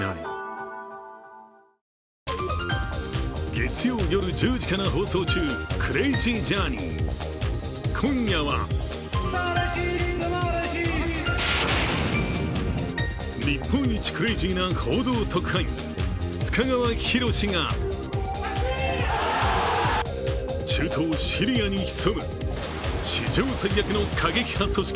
月曜夜１０時から放送中「クレイジージャーニー」今夜は日本一クレイジーな報道特派員須賀川拓が中東シリアに潜む史上最悪の過激派組織